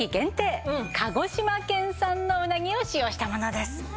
鹿児島県産のうなぎを使用したものです。